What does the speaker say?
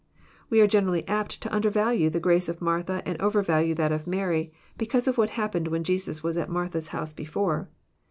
We are generally apt to undervalue the grace of Martha and overvalue that of Mary, because of what happened when Jesus was at Martha's house before.